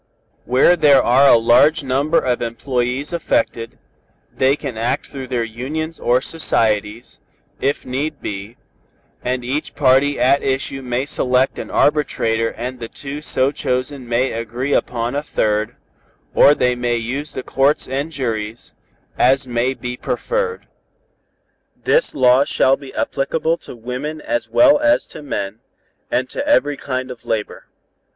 "Where there are a large number of employés affected, they can act through their unions or societies, if needs be, and each party at issue may select an arbitrator and the two so chosen may agree upon a third, or they may use the courts and juries, as may be preferred. "This law shall be applicable to women as well as to men, and to every kind of labor.